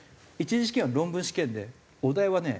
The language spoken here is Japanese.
１次試験は論文試験でお題はね